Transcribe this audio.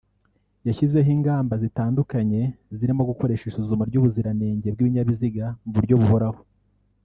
yashyizeho ingamba zitandukanye zirimo gukoresha isuzuma ry’ubuziranenge bw’ibinyabiziga mu buryo buhoraho